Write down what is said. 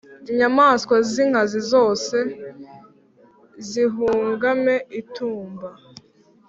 inyamaswa z’inkazi zose, zihugame itumba.»